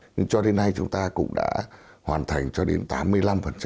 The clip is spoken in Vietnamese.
nhưng cho đến nay chúng ta cũng đã hoàn thành cho đến tám mươi năm